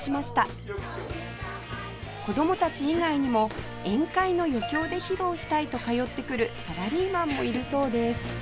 子供たち以外にも宴会の余興で披露したいと通ってくるサラリーマンもいるそうです